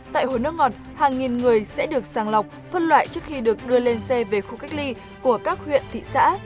tại hồ nước ngọt hàng nghìn người sẽ được sàng lọc phân loại trước khi được đưa lên xe về khu cách ly của các huyện thị xã